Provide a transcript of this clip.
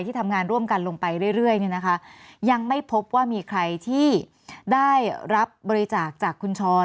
ที่ทำงานร่วมกันลงไปเรื่อยยังไม่พบว่ามีใครที่ได้รับบริจาคจากคุณชร